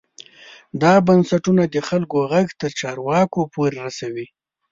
دا بنسټونه د خلکو غږ تر چارواکو پورې رسوي.